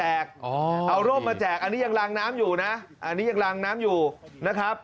เอาร่มมาแจกอันนี้ยังลางน้ำอยู่นะ